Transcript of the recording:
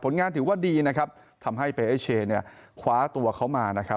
งานถือว่าดีนะครับทำให้เปเอเชเนี่ยคว้าตัวเขามานะครับ